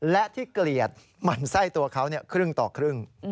และที่เกลียดหมั่นไส้ตัวเขาครึ่งต่อครึ่ง